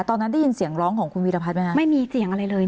ตอนนั้นได้ยินเสียงร้องของคุณวีรพัฒน์ไหมคะไม่มีเสียงอะไรเลย